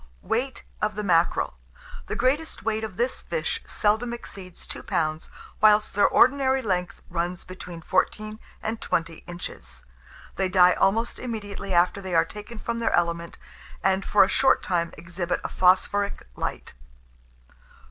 WEIGHT OF THE MACKEREL. The greatest weight of this fish seldom exceeds 2 lbs., whilst their ordinary length runs between 14 and 20 inches. They die almost immediately after they are taken from their element, and, for a short time, exhibit a phosphoric light.